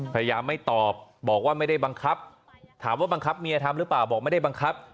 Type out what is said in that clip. พยายามไม่ตอบบอกว่าไม่ได้บังคับถามว่าบังคับเมียทำหรือเปล่าบอกไม่ได้บังคับ